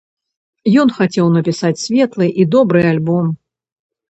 Ён хацеў напісаць светлы і добры альбом.